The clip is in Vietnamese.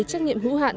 trách nhiệm hữu hạn